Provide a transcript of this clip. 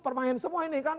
permainan semua ini kan